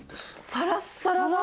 サラサラだ！